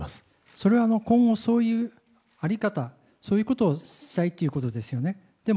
それは今後、そういう在り方そういうことをしたいということですよね。